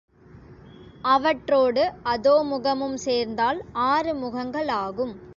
அவற்றோடு அதோமுகமும் சேர்ந்தால் ஆறு முகங்களாகும்.